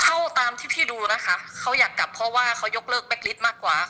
เท่าตามที่พี่ดูนะคะเขาอยากกลับเพราะว่าเขายกเลิกแก๊กลิฟต์มากกว่า